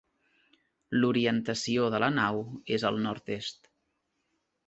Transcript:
L'orientació de la nau és al nord-est.